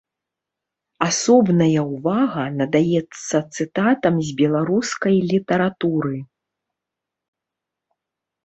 Асобная ўвага надаецца цытатам з беларускай літаратуры.